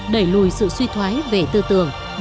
đẩy lùi sự suy tưởng